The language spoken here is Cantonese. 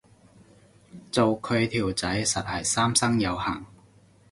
做佢條仔實係三生有幸